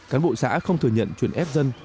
cán bộ xã không thừa nhận chuyển ép dân